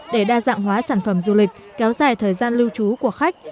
để đa dạng hóa sản phẩm du lịch kéo dài thời gian lưu trú của khách